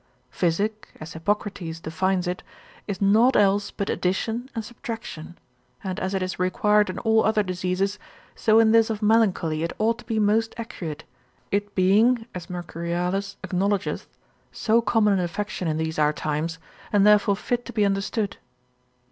Physic (as Hippocrates defines it) is nought else but addition and subtraction; and as it is required in all other diseases, so in this of melancholy it ought to be most accurate, it being (as Mercurialis acknowledgeth) so common an affection in these our times, and therefore fit to be understood.